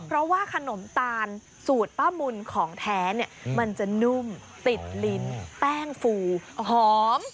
เพราะว่าขนมตาลสูตรป้ามุนของแท้เนี่ยมันจะนุ่มติดลิ้นแป้งฟูหอม